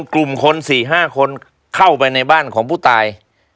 กลุ่มคน๔๕คนเข้าไปในบ้านของผู้ตาย